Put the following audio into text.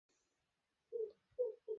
সকালে উঠিয়া অপুকে পড়িতে বসিতে হয়।